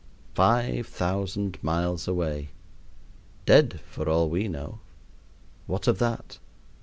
Five thousand miles away! Dead for all we know! What of that?